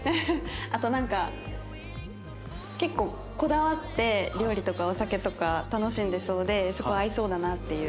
あとなんか結構こだわって料理とかお酒とか楽しんでいそうですごい合いそうだなっていう。